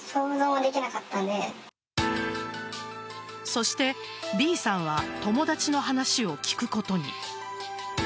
そして、Ｂさんは友達の話を聞くことに。